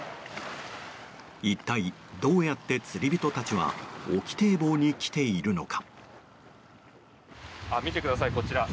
一体どうやって釣り人たちは沖堤防に来ているのか。